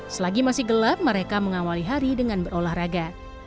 selagi masih gelap mereka mengawali hari dengan berolahraga